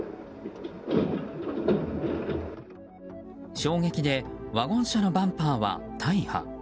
衝撃でワゴン車のバンパーは大破。